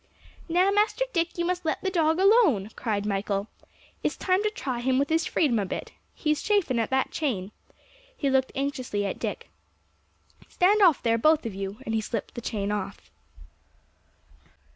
"Now, Master Dick, you must let the dog alone," cried Michael. "It's time to try him with his freedom a bit. He's chafin' at that chain." He looked anxiously at Dick. "Stand off there, both of you," and he slipped the chain off.